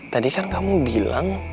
tadi kan kamu bilang